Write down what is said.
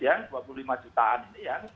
yang dua puluh lima jutaan ini yang